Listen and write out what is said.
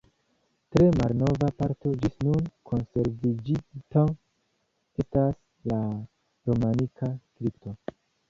Tre malnova parto ĝis nun konserviĝinta estas la romanika kripto.